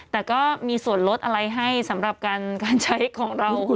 แต่ก็มีส่วนลดอะไรให้สำหรับการใช้ของเรา